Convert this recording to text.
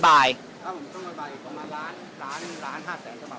ประมาณ๑ล้าน๕แสนฉบับ